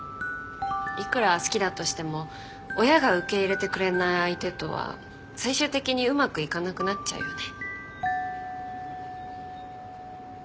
いくら好きだとしても親が受け入れてくれない相手とは最終的にうまくいかなくなっちゃうよね。